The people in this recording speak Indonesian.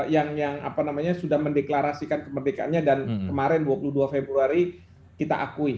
yang sudah mendeklarasikan kemerdekaannya dan kemarin dua puluh dua februari kita akui